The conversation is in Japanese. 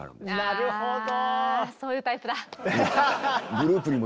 なるほど。